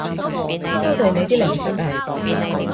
多謝你啲零食啊